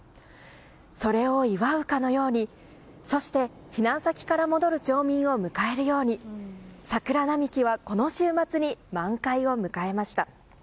それを祝うかのようにそして、避難先から戻る町民を迎えるように桜並木はこの週末に満開を迎えました。